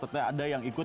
ternyata ada yang ikut